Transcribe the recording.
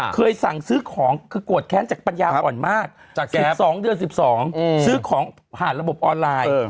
สั่งซื้อของคือโกรธแค้นจากปัญญาอ่อนมาก๑๒เดือน๑๒ซื้อของผ่านระบบออนไลน์